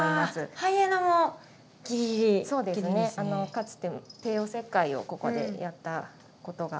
かつて帝王切開をここでやったことがあるので。